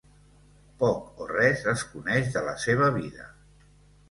Poc o res es coneix de la seva vida.